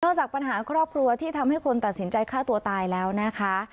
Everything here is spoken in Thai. จากปัญหาครอบครัวที่ทำให้คนตัดสินใจฆ่าตัวตายแล้วนะคะ